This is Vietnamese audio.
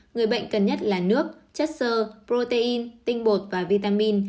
người bệnh cần nhất là nước chất sơ protein tinh bột và vitamin